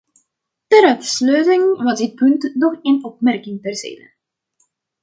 Ter afsluiting van dit punt nog een opmerking terzijde.